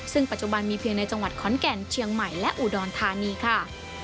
ซึ่งปัจจุบันมีเพียงในจังหวัดขอนแก่นเชียงใหม่และอุดรธานีค่ะ